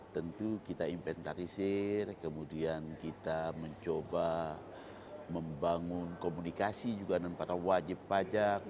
tentu kita inventarisir kemudian kita mencoba membangun komunikasi juga dengan para wajib pajak